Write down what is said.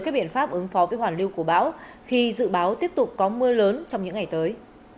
các biện pháp ứng phó với hoàn lưu của bão khi dự báo tiếp tục có mưa lớn trong những ngày tới